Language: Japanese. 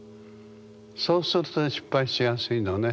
そうすると失敗しやすいのね。